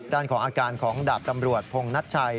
ด้านของอาการของดาบตำรวจพงนัชชัย